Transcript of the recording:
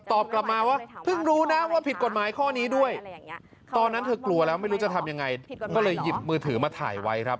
ตอบกลับมาว่าเพิ่งรู้นะว่าผิดกฎหมายข้อนี้ด้วยตอนนั้นเธอกลัวแล้วไม่รู้จะทำยังไงก็เลยหยิบมือถือมาถ่ายไว้ครับ